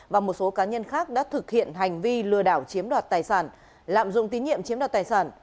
và một số cá nhân khác đã thực hiện hành vi lừa đảo chiếm đoạt tài sản lạm dụng tín nhiệm chiếm đoạt tài sản